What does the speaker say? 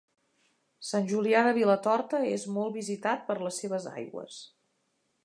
Sant Julià de Vilatorta és molt visitat per les seves aigües.